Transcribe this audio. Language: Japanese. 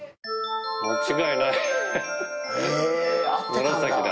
間違いない紫だ。